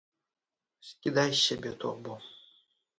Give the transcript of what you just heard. Скідай з сябе торбу!